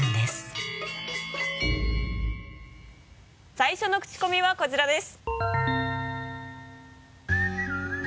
最初のクチコミはこちらです。